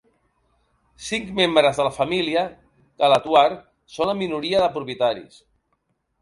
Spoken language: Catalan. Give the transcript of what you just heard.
Cinc membres de la família Galatoire són la minoria de propietaris.